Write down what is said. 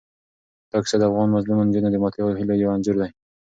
دا کیسه د افغان مظلومو نجونو د ماتو هیلو یو انځور دی.